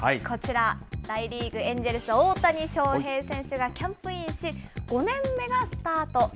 こちら、大リーグ・エンジェルス、大谷翔平選手がキャンプインし、５年目がスタート。